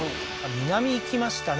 南行きましたね